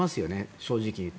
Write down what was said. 正直に言って。